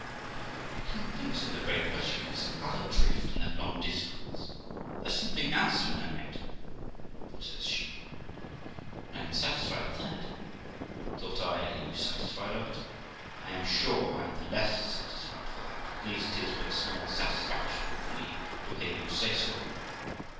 'I can't think', says the Quaker, 'but she had some other drift in that long discourse; there's something else in her head* says she; 'I am satisfied of that.' Thought I, 'Are you satisfied of it? I am sure I am the less satisfied for that ; at least 'tis but small satisfaction to me to hear you say so.